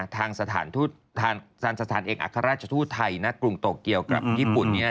ทางสถานเอกอัครราชทูตไทยณกรุงโตเกียวกับญี่ปุ่นเนี่ย